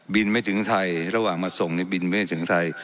ไม่ถึงไทยระหว่างมาส่งในบินไม่ถึงไทย